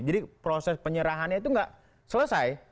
jadi proses penyerahannya itu nggak selesai